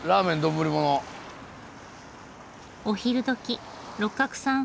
お昼どき六角さん